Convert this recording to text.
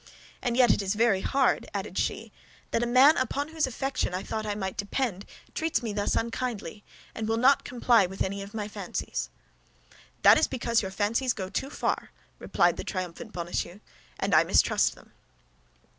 And yet it is very hard," added she, "that a man upon whose affection I thought I might depend, treats me thus unkindly and will not comply with any of my fancies." "That is because your fancies go too far," replied the triumphant Bonacieux, "and I mistrust them."